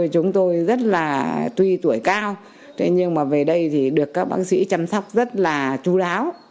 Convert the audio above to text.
chúng tôi rất là tuy tuổi cao thế nhưng mà về đây thì được các bác sĩ chăm sóc rất là chú đáo